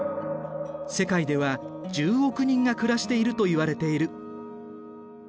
世界では１０億人が暮らしているといわれている。